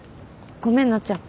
ごめんなっちゃん。